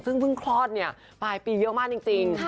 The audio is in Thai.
ซึ่งเพิ่งคลอดเนี่ยปลายปีเยอะมากจริง